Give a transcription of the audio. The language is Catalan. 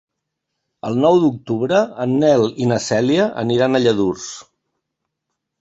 El nou d'octubre en Nel i na Cèlia aniran a Lladurs.